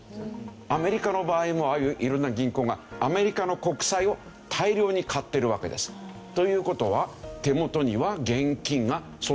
アメリカの場合もああいう色んな銀行がアメリカの国債を大量に買ってるわけです。という事は手元には現金がそんなにあるわけではない。